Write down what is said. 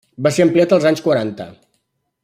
Va ser ampliat els anys quaranta.